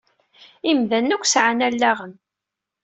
Imdanen akk sɛan allaɣen.